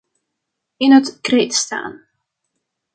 In het krijt staan.